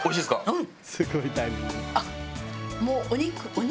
うん！